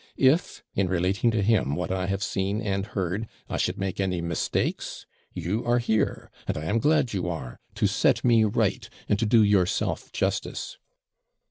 If, in relating to him what I have seen and heard, I should make any mistakes, you are here; and I am glad you are, to set me right, and to do yourself justice.'